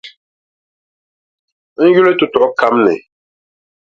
N yuli tutuɣu kam ni.